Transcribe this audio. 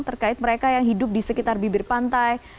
terkait mereka yang hidup di sekitar bibir pantai